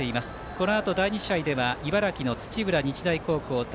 このあと第２試合では茨城の土浦日大高校対